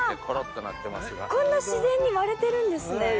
こんな自然に割れてるんですね。